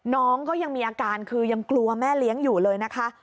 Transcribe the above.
น้องก็ยังมีอาการคือยังกลัวแม่เลี้ยงอยู่เลยนะคะ